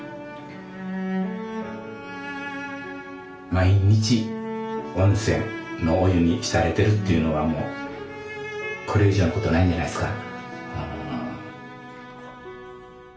毎日温泉のお湯に浸れてるっていうのはもうこれ以上のことはないんじゃないですかうん。